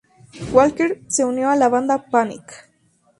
Walker se unió a la banda Panic!